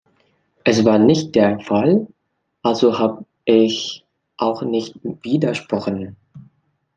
Es war nicht der Fall, also habe ich auch nicht widersprochen.